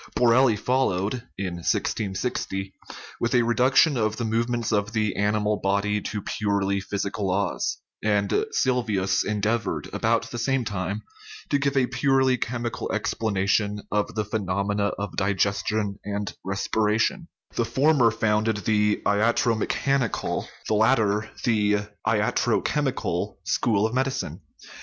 Borelli followed ( 1 660) 44 OUR LIFE with a reduction of the movements of the animal body to purely physical laws, and Sylvius endeavored, about the same time, to give a purely chemical explanation of the phenomena of digestion and respiration ; the former founded the iatromechanical, the latter the iatrochem ical, school of medicine.